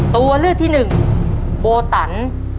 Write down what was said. ตัวเลือกที่หนึ่งโบตัน